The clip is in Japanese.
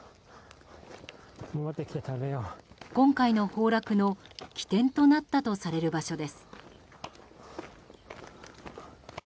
今回の崩落の起点となったとされる場所です。